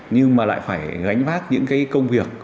nhưng mà lại phải gánh vác những cái công việc